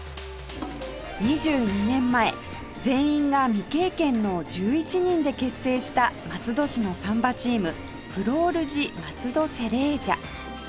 ２２年前全員が未経験の１１人で結成した松戸市のサンバチームフロール・ヂ・マツド・セレージャ